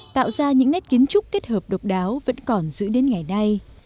tạo ra những nét kiến trúc kết hợp độc đáo vẫn còn giữ đến ngày nay